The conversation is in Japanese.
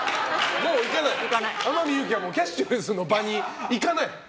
天海祐希はキャッシュレスの場に行かない。